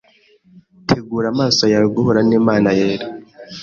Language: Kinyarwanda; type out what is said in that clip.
Tegura amaso yawe guhura nImana yera